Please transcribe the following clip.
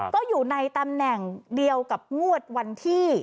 ก็อยู่ในตำแหน่งเดียวกับงวดวันที่